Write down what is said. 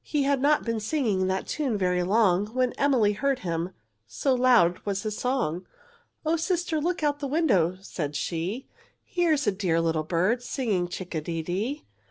He had not been singing that tune very long, When Emily heard him, so loud was his song. "Oh, sister, look out of the window!" said she, "Here's a dear little bird, singing chick a de dee!